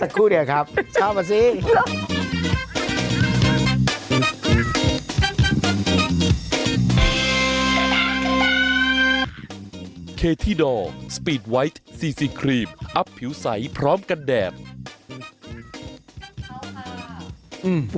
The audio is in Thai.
สักครู่เดียวครับเช่ามาสิ